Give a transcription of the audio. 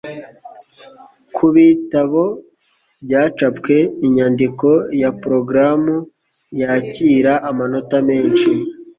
kubitabo byacapwe inyandiko ya porogaramu yakira amanota menshi